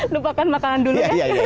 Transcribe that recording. lupakan makanan dulu ya